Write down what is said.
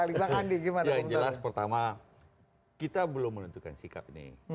yang jelas pertama kita belum menentukan sikap ini